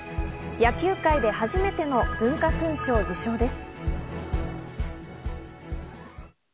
野球界で初めての文化勲章を受章です。